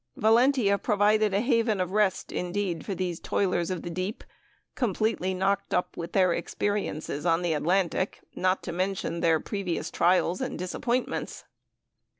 Valentia proved a haven of rest indeed for these "toilers of the deep" completely knocked up with their experiences on the Atlantic, not to mention their previous trials and disappointments.